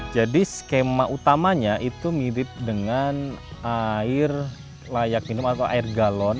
jadi skema utamanya itu mirip dengan air layak minum atau air galon